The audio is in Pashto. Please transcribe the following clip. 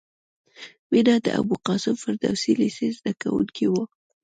مینه د ابوالقاسم فردوسي لېسې زدکوونکې وه